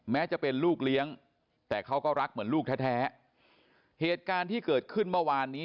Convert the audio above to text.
แม้จะเป็นลูกเลี้ยงแต่เขาก็รักเหมือนลูกแท้แท้เหตุการณ์ที่เกิดขึ้นเมื่อวานนี้